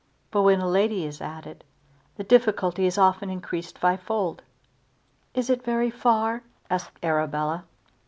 But when a lady is added, the difficulty is often increased fivefold. "Is it very far?" asked Arabella.